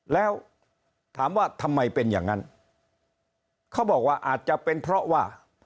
แล้วถามว่าทำไมเป็นอย่างนั้นเขาบอกว่าอาจจะเป็นเพราะว่า